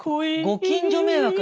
ご近所迷惑。